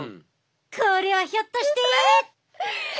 これはひょっとして！？